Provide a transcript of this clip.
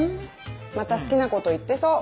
また好きなこと言ってそう。